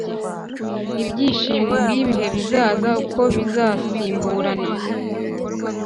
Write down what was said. ibyishimo by’ibihe bizaza, uko bizasimburana.